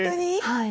はい。